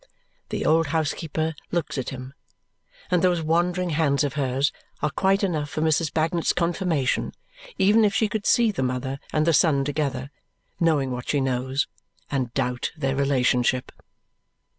The old housekeeper looks at him, and those wandering hands of hers are quite enough for Mrs. Bagnet's confirmation, even if she could see the mother and the son together, knowing what she knows, and doubt their relationship.